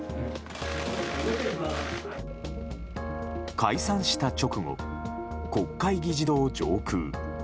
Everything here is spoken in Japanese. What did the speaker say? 解散した直後、国会議事堂上空。